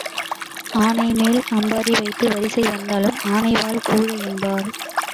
ஆனைமேல் அம்பாரி வைத்து வரிசை வந்தாலும் ஆனை வால் கூழை என்பார்.